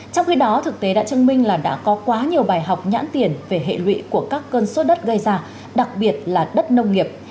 trong khi đó thực tế đã chứng minh là đã có quá nhiều bài học nhãn tiền về hệ lụy của các cơn sốt đất gây ra đặc biệt là đất nông nghiệp